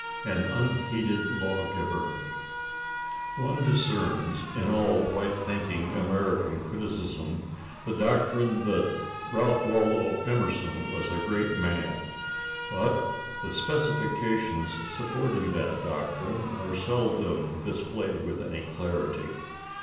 AN UNHEEDED LAW GIVER One discerns, in all right thinking American criticism, the doctrine that Ralph Waldo Emerson was a great man, but the specifications supporting that doctrine are seldom displayed with any clarity.